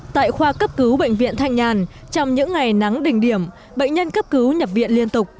tại khoa cấp cứu bệnh viện thanh nhàn trong những ngày nắng đỉnh điểm bệnh nhân cấp cứu nhập viện liên tục